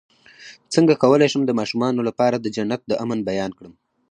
څنګه کولی شم د ماشومانو لپاره د جنت د امن بیان کړم